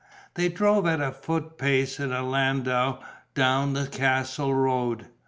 They drove at a foot pace in a landau down the castle road.